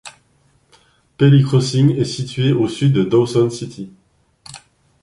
Pelly Crossing est situé à au sud de Dawson City.